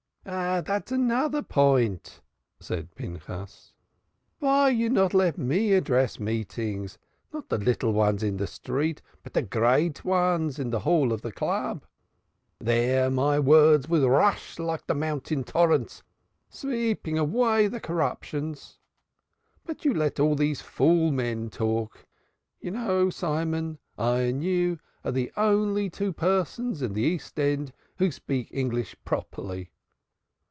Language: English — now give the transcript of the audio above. "Ah, dat is anoder point," said Pinchas. "Vy you no let me address meetings not de little ones in de street, but de great ones in de hall of de Club? Dere my vords vould rush like de moundain dorrents, sveeping avay de corruptions. But you let all dese fool men talk. You know, Simon, I and you are de only two persons in de East End who speak Ainglish properly."